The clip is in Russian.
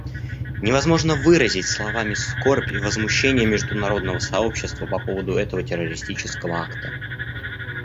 Невозможно выразить словами скорбь и возмущение международного сообщества по поводу этого террористического акта.